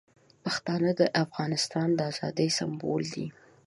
پښتانه د افغانستان د ازادۍ سمبول دي.